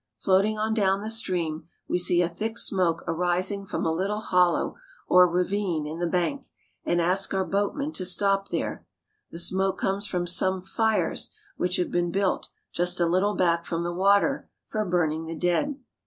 Floating on down the stream, we see a thick smoke aris ing from a little hollow or ravine in the bank, and ask our THE RELIGIONS OF INDIA 283 boatman to stop there. The smoke comes from some fires, which have been built, just a little back from the water, for burning the dead.